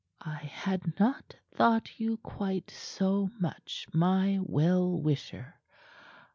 "I had not thought you quite so much my well wisher.